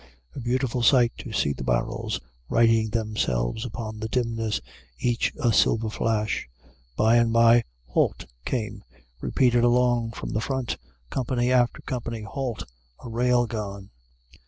A beautiful sight to see the barrels writing themselves upon the dimness, each a silver flash. By and by, "Halt!" came, repeated along from the front, company after company. "Halt! a rail gone."